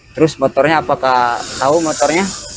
terus motornya apakah tahu motornya